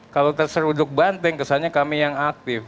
kalau terseruduk banteng kesannya kami yang aktif